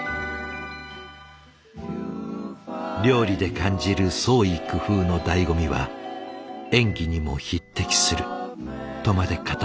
料理で感じる創意工夫のだいご味は演技にも匹敵するとまで語った梅宮。